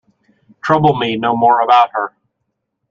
Trouble me no more about her.